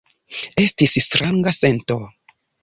Estis stranga sento.